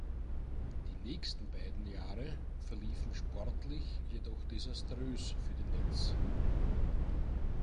Die nächsten beiden Jahre verliefen sportlich jedoch desaströs für die Nets.